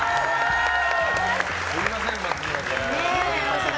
すみません、松村さん。